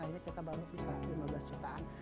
akhirnya kita baru bisa lima belas jutaan